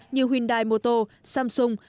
như hyundai motor samsung